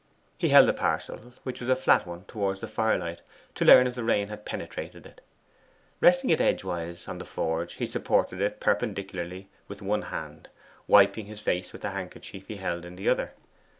He held the parcel, which was a flat one, towards the firelight, to learn if the rain had penetrated it. Resting it edgewise on the forge, he supported it perpendicularly with one hand, wiping his face with the handkerchief he held in the other.